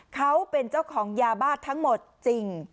เขาเป็นเจ้าของยาบ้าทั้งหมดจริง